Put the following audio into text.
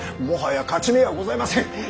もはや勝ち目はございません。